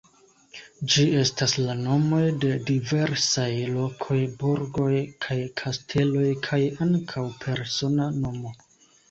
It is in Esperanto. Ĝi estas la nomoj de diversaj lokoj, burgoj kaj kasteloj kaj ankaŭ persona nomo.